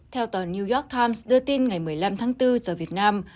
theo tờ new york times đưa tin ngày một mươi năm tháng bốn giờ việt nam